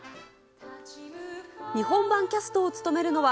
日本版キャストを務めるのは、